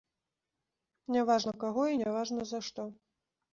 Не важна каго і не важна за што.